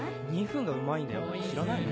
２分がうまいんだよ。